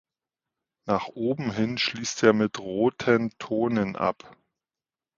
Nach oben hin schließt er mit roten Tonen ab.